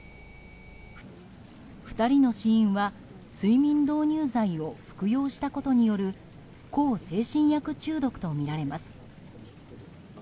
２人の死因は睡眠導入剤を服用したことによる向精神薬中毒とみられます。